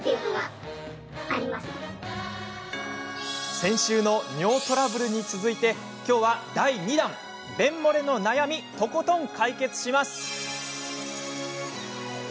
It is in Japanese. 先週の尿トラブルに続いてきょうは、第２弾便もれの悩みとことん解決します。